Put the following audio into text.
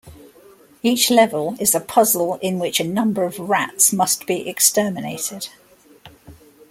Each level is a puzzle in which a number of rats must be exterminated.